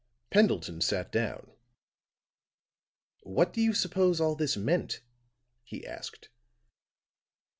Pendleton sat down. "What do you suppose all this meant?" he asked.